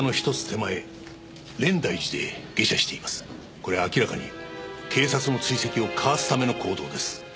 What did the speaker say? これは明らかに警察の追跡をかわすための行動です。